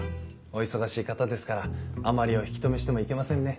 お忙しい方ですからあんまりお引き留めしてもいけませんね。